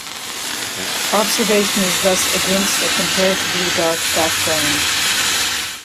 Observation is thus against a comparatively dark background.